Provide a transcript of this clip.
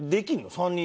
３人。